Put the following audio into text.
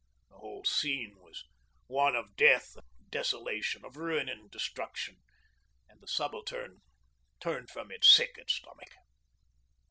The whole scene was one of death and desolation, of ruin and destruction, and the Subaltern turned from it sick at stomach.